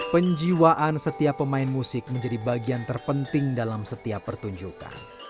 penjiwaan setiap pemain musik menjadi bagian terpenting dalam setiap pertunjukan